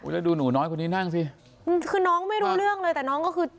แล้วดูหนูน้อยคนนี้นั่งสิคือน้องไม่รู้เรื่องเลยแต่น้องก็คือ